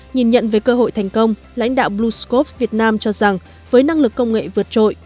nhìn nhận về cơ hội thành công lãnh đạo bluesco việt nam cho rằng với năng lực công nghệ vượt trội